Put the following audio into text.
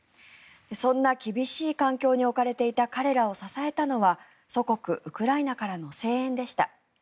そんな厳しい環境に置かれていた彼らを支えたのが祖国ウクライナからの声援でした。